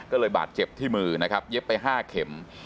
ก็เลยบาดเจ็บที่มือนะครับเย็บไป๕เข็ม